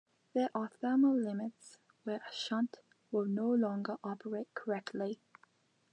There are thermal limits where a shunt will no longer operate correctly.